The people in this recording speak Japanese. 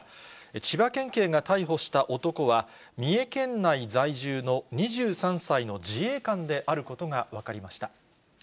千葉県警が逮捕した男は、三重県内在住の２３歳の自衛官であることが分かりました。